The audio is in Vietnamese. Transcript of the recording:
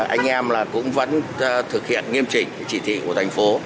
anh em cũng vẫn thực hiện nghiêm trình chỉ thị của thành phố